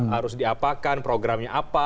harus diapakan programnya apa